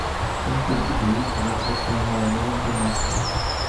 কিন্তু দিদি, তোমার কাছে আমার নেমন্তন্ন আছে।